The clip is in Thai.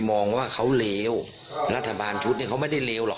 มองว่าเขาเลวรัฐบาลชุดเนี่ยเขาไม่ได้เลวหรอก